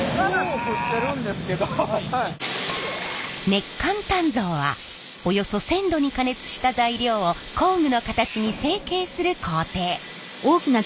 熱間鍛造はおよそ１，０００度に加熱した材料を工具の形に成形する工程。